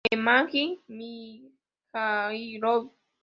Nemanja Mihajlović